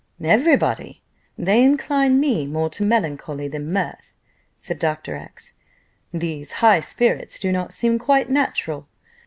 "Every body! they incline me more to melancholy than mirth," said Dr. X . "These high spirits do not seem quite natural.